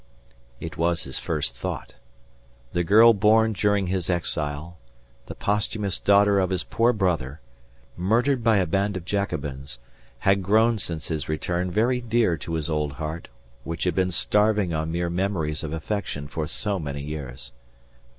It was his first thought. The girl born during his exile, the posthumous daughter of his poor brother, murdered by a band of Jacobins, had grown since his return very dear to his old heart, which had been starving on mere memories of affection for so many years.